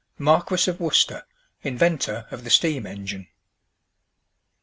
MARQUIS OF WORCESTER, INVENTOR OF THE STEAM ENGINE.